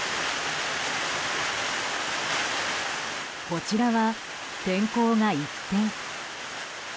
こちらは天候が一転。